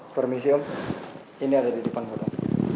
permisi om ini ada di depan kotak